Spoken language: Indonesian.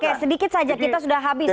oke sedikit saja kita sudah habis